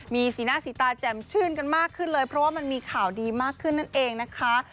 มีสีหน้าสีตาแจ่มชื่นกันมากขึ้นเลยเพราะว่ามันมีข่าวดีมากขึ้นนั่นเองนะคะ